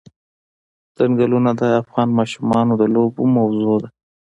ځنګلونه د افغان ماشومانو د لوبو موضوع ده.